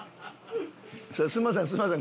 すみませんすみません。